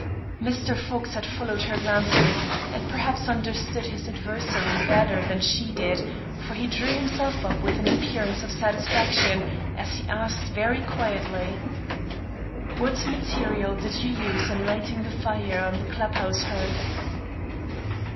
Mr. Fox had followed her glances, and perhaps understood his adversary better than she did; for he drew himself up with an appearance of satisfaction as he asked very quietly: "What material did you use in lighting the fire on the club house hearth?"